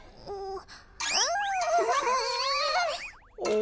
お！